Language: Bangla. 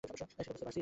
সেটা বুঝতে পারছিস?